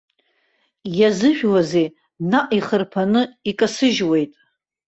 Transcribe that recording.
Иазыжәуазеи, наҟ ихырԥаны икасыжьуеит.